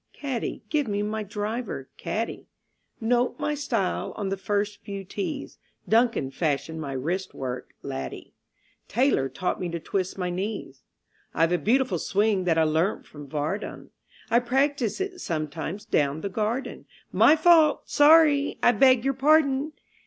Caddie, give me my driver, caddie, Note my style on the first few tees; Duncan fashioned my wrist work, laddie, Taylor taught me to twist my knees; I've a beautiful swing that I learnt from Vardon (I practise it sometimes down the garden "My fault! Sorry! I beg your pardon!")